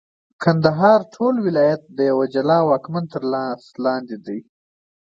کندهار ټول ولایت د یوه جلا واکمن تر لاس لاندي وي.